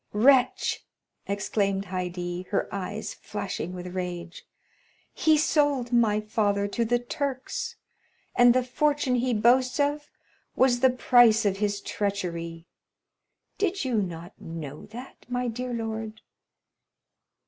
"Wretch!" exclaimed Haydée, her eyes flashing with rage; "he sold my father to the Turks, and the fortune he boasts of was the price of his treachery! Did not you know that, my dear lord?"